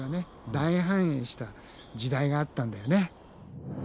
大繁栄した時代があったんだよね。